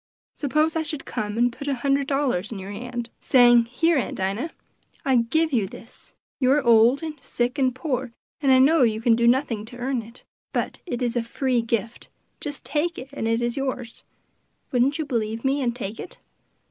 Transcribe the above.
Suppose I should come and put a hundred dollars in your hand, saying, 'Here, Aunt Dinah, I give you this; you are old, and sick, and poor, and I know you can do nothing to earn it, but it is a free gift, just take it and it is yours;' wouldn't you believe me, and take it?"